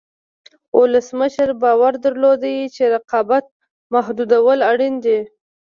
ولسمشر باور درلود چې رقابت محدودول اړین دي.